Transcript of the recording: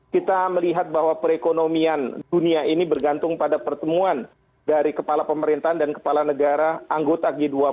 kita melihat bahwa perekonomian dunia ini bergantung pada pertemuan dari kepala pemerintahan dan kepala negara anggota g dua puluh